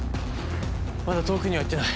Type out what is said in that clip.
まだ遠くには行ってない。